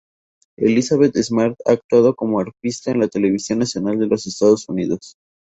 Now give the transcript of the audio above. Elizabeth Smart ha actuado como arpista en la televisión nacional de los Estados Unidos.